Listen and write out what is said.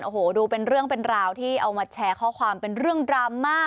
โอ้โหดูเป็นเรื่องเป็นราวที่เอามาแชร์ข้อความเป็นเรื่องดราม่า